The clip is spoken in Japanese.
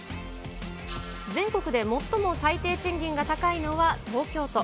全国で最も最低賃金が高いのは東京都。